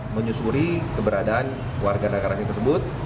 menyusuri keberadaan warga negara asing tersebut